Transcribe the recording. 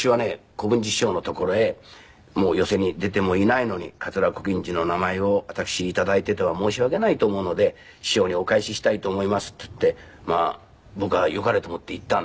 小文治師匠の所へ「もう寄席に出てもいないのに桂小金治の名前を私頂いていては申し訳ないと思うので師匠にお返ししたいと思います」って言ってまあ僕はよかれと思って言ったんです。